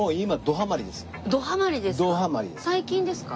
どハマりですか？